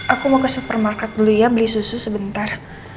aku mau ke supermarket dulu ya beli susu sebentar